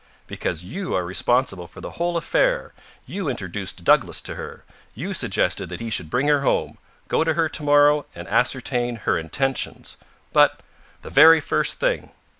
"Because you are responsible for the whole affair. You introduced Douglas to her. You suggested that he should bring her home. Go to her to morrow and ascertain her intentions." "But " "The very first thing."